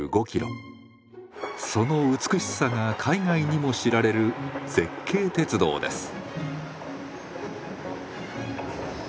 その美しさが海外にも知られる絶景鉄道です。